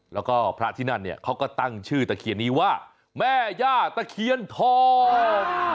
แล้วก็พระที่นั่นเนี่ยเขาก็ตั้งชื่อตะเคียนนี้ว่าแม่ย่าตะเคียนทอง